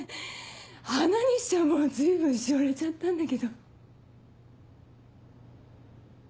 花にしてはもう随分しおれちゃったんだけど。